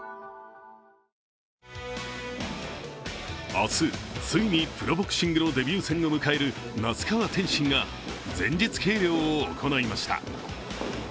明日、ついにプロボクシングのデビュー戦を迎える那須川天心が前日計量を行いました。